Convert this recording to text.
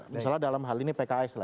misalnya dalam hal ini pks lah